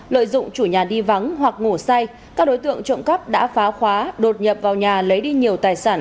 lợi dụng chủ nhà đi vắng hoặc ngủ say các đối tượng trộm cắp đã phá khóa đột nhập vào nhà lấy đi nhiều tài sản